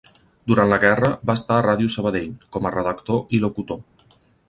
Durant la guerra va estar a Ràdio Sabadell, com a redactor i locutor.